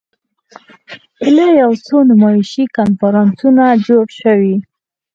ایله یو څو نمایشي کنفرانسونه جوړ شوي.